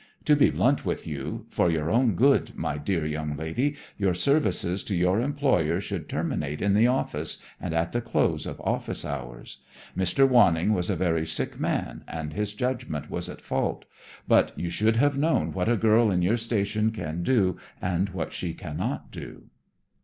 To be blunt with you, for your own good, my dear young lady, your services to your employer should terminate in the office, and at the close of office hours. Mr. Wanning was a very sick man and his judgment was at fault, but you should have known what a girl in your station can do and what she cannot do."